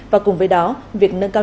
và cùng với đó việc nâng cao